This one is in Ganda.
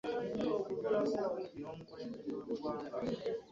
nnnnn